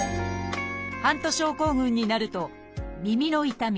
ハント症候群になると耳の痛み